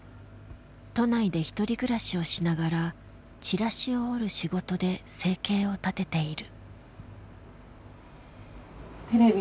都内で一人暮らしをしながらチラシを折る仕事で生計を立てている。